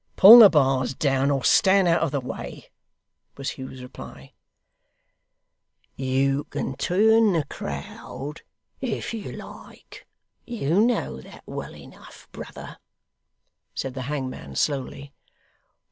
'Pull the bars down, or stand out of the way,' was Hugh's reply. 'You can turn the crowd if you like, you know that well enough, brother,' said the hangman, slowly.